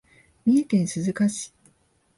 三重県鈴鹿市